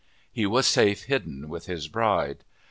_ He was safe hidden with his bride.